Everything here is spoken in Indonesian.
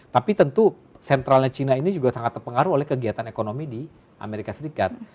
tapi tentu sentralnya cina ini juga sangat terpengaruh oleh kegiatan ekonomi di amerika serikat